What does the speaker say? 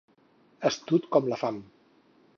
Astut com la fam.